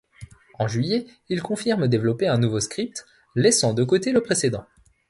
En juillet, il confirme développer un nouveau script, laissant de côté le précédent.